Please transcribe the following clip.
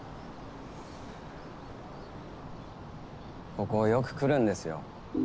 ここよく来るんですよ。